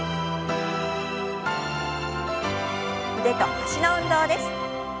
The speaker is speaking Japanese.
腕と脚の運動です。